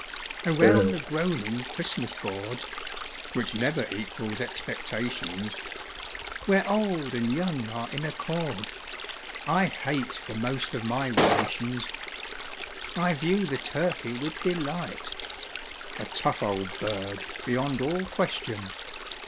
_) Around the groaning Christmas board, (Which never equals expectations,) Where old and young are in accord (I hate the most of my relations!) I view the turkey with delight, (_A tough old bird beyond all question!